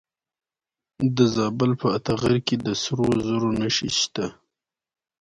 د زابل په اتغر کې د سرو زرو نښې شته.